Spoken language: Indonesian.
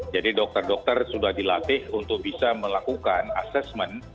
jadi dokter dokter sudah dilatih untuk bisa melakukan assessment